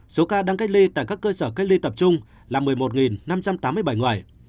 số ca đang cách ly tại các cơ sở cách ly tập trung là một mươi một năm trăm tám mươi bảy người